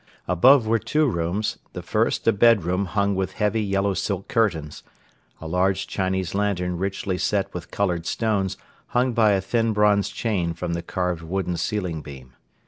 Above were two rooms, the first a bed room hung with heavy yellow silk curtains; a large Chinese lantern richly set with colored stones hung by a thin bronze chain from the carved wooden ceiling beam.